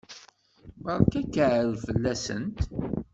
Berka akaɛrer fell-asent!